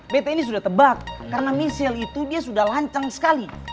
bt ini sudah tebak karena michelle itu dia sudah lanceng sekali